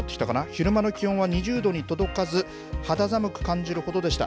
昼間の気温は２０度に届かず、肌寒く感じるほどでした。